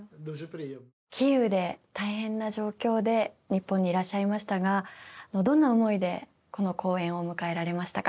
キーウで大変な状況で日本にいらっしゃいましたがどんな思いでこの公演を迎えられましたか？